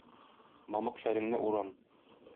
Мамык шәлеңне уран.